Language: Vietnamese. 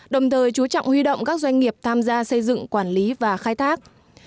đồng thời chú trọng huy động các doanh nghiệp tham gia xây dựng quản lý và khai thác